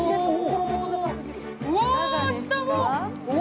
うわ、下も。